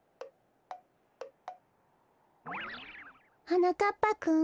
はなかっぱくん。